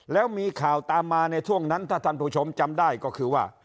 แล้วมีข่าวตามมาในช่วงนั้นถ้าท่านผู้ชมจำได้ก็คือว่า